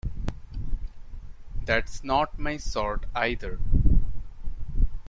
That's not my sort either.